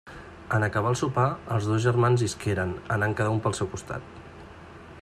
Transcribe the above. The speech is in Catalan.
En acabar el sopar, els dos germans isqueren, anant cada un pel seu costat.